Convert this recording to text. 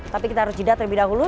tapi kita harus jidat lebih dahulu